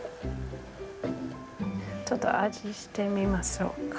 ちょっと味見してみましょうか。